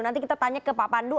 nanti kita tanya ke pak pandu